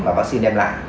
và vaccine đem lại